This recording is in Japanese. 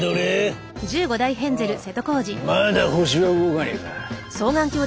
ふむまだホシは動かねえか。